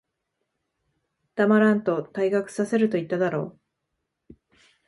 黙らんと、退学させると言っただろ。